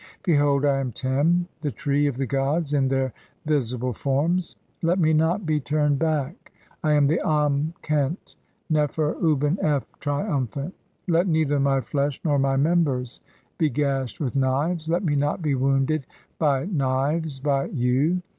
"Behold, I am Tem, the tree(?) of the gods in [their] visible "forms. Let me not be turned back .... I am the Am khent, "Nefer uben f, triumphant. Let neither my flesh nor my members "be gashed with knives, let me not be wounded by knives by "you.